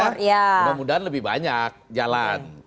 kemudian lebih banyak jalan